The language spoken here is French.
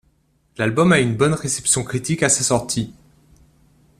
L'album a une bonne réception critique à sa sortie.